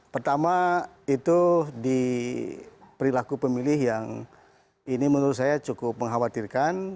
pertama itu di perilaku pemilih yang ini menurut saya cukup mengkhawatirkan